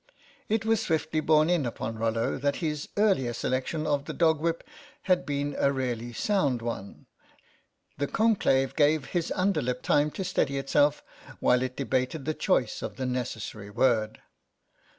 It was swiftly borne in upon Rollo that his earlier selection of the dog whip had been a really sound one. The conclave gave his under lip time to steady itself while it debated the choice of the necessary word.